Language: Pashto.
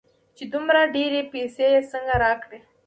چې دومره ډېرې پيسې يې څنگه راکړې.